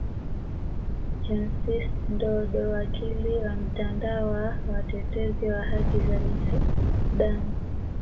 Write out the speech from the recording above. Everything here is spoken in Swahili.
Johnsis Ndodo wakili wa mtandao wa watetezi wa haki za binadamu